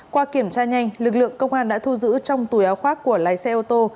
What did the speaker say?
qua kiểm tra nhanh lực lượng công an đã thu giữ trong túi áo khoác của lái xe ô tô